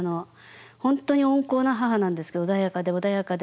本当に温厚な母なんですけど穏やかで穏やかで。